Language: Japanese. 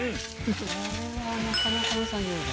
これはなかなかの作業だ。